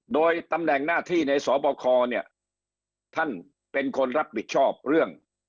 โดยตำแหน่งหน้าที่ในสบคเนี่ยท่านเป็นคนรับผิดชอบเรื่อง